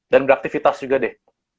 dan beraktivitas juga deh